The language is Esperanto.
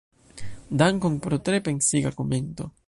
Dankon pro tre pensiga komento.